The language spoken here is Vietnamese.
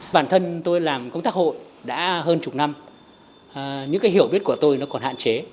bản thân tôi làm công tác hội đã hơn một mươi năm những hiểu biết của tôi còn hạn chế